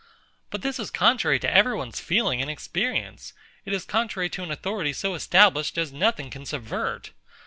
But this is contrary to every one's feeling and experience: It is contrary to an authority so established as nothing can subvert.